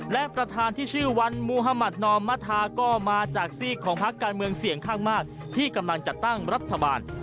และประธานที่ชื่อวันมุธมัธนอมมธาก็มาจากซีกของพักการเมืองเสี่ยงข้างมากที่กำลังจัดตั้งรัฐบาล